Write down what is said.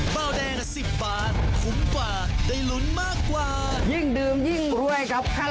เบาแดงช่วยคนไทยสร้างอาชีพปี๒